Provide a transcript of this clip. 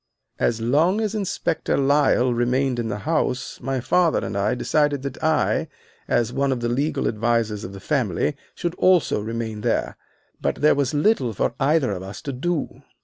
"As long as Inspector Lyle remained in the house my father decided that I, as one of the legal advisers of the family, should also remain there. But there was little for either of us to do.